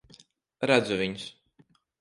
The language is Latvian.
Redzu viņus.